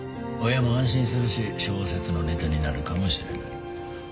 親も安心するし小説のネタになるかもしれない